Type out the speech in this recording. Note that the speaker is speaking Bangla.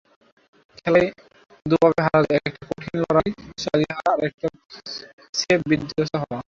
খেলায় দুভাবে হারা যায়—একটি কঠিন লড়াই চালিয়ে হারা, আরেকটি স্রেফ বিধ্বস্ত হওয়া।